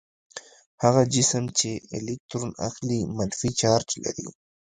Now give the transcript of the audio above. هغه جسم چې الکترون اخلي منفي چارج لري.